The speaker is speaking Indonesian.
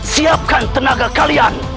siapkan tenaga kalian